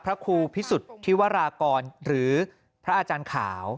พระครูพิสุทธิวรากรหรือพระอาจารย์ขาว